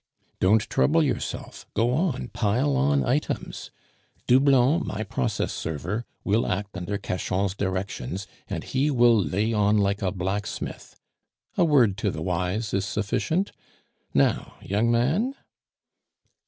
Don't trouble yourself; go on, pile on items. Doublon, my process server, will act under Cachan's directions, and he will lay on like a blacksmith. A word to the wise is sufficient. Now, young man?